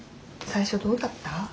最初どうだった？